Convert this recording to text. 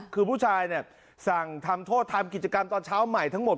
คือผู้ชายเนี่ยสั่งทำโทษทำกิจกรรมตอนเช้าใหม่ทั้งหมด